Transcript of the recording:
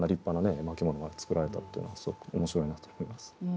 絵巻物が作られたっていうのがすごく面白いなと思います。